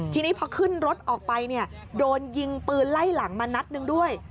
ทีนี้พอขึ้นรถออกไปเนี่ยโดนยิงปืนไล่หลังมานัดหนึ่งด้วย